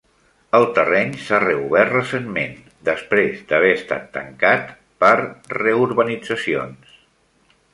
El terreny s'ha reobert recentment després d'haver estat tancat per reurbanitzacions.